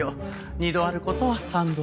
二度ある事は三度ある。